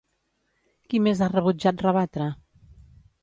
Qui més ha rebutjat rebatre?